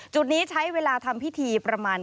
จุดนี้ใช้เวลาทำพิธีประมาณ